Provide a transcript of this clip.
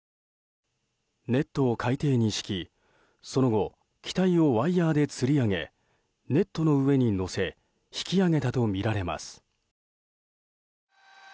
ネットを海底に敷きその後、機体をワイヤでつり上げネットの上に載せ引き揚げたとみられます。